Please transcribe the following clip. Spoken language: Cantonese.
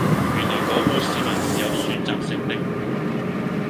原來保謢市民是有選擇性的